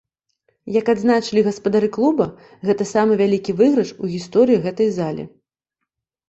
Як адзначылі гаспадары клуба, гэта самы вялікі выйгрыш у гісторыі гэтай зале.